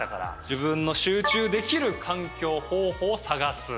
「自分の集中できる環境方法を探す」。